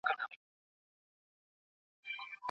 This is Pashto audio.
مخکنیو ترسره سویو کارونو ته بیاکتنه تل اړینه ده.